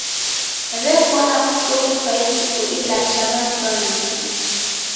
W'epwana kusonyi kwa ituku ilacha w'asilwa nandighi.